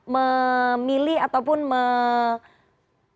memilih ataupun memilih